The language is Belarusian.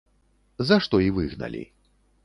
За што і выгналі.